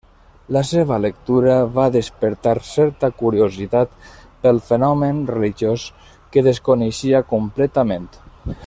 La seva lectura va despertar certa curiositat pel fenomen religiós, que desconeixia completament.